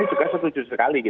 dia juga setuju sekali